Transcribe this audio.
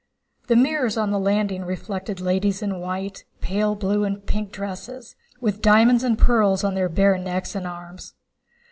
The mirrors on the landing reflected ladies in white, pale blue, and pink dresses, with diamonds and pearls on their bare necks and arms.